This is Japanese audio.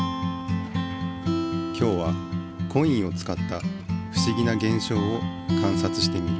今日はコインを使った不思議なげん象を観察してみる。